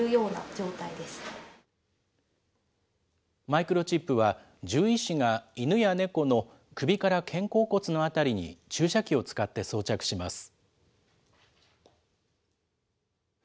マイクロチップは、獣医師が犬や猫の首から肩甲骨の辺りに注射器を使って装着します。